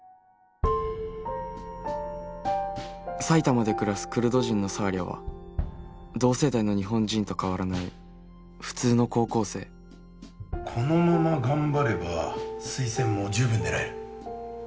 埼玉で暮らすクルド人のサーリャは同世代の日本人と変わらない普通の高校生このまま頑張れば推薦も十分狙える。